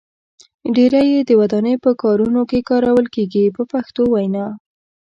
ډیری یې د ودانۍ په کارونو کې کارول کېږي په پښتو وینا.